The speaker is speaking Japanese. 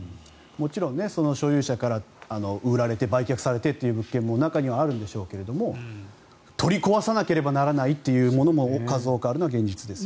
もちろん所有者から売られて売却されてという物件も中にはあるんでしょうけど取り壊さなければならないものも数多くあるのも現実ですね。